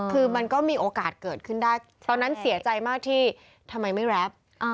คือมันก็มีโอกาสเกิดขึ้นได้ตอนนั้นเสียใจมากที่ทำไมไม่แรป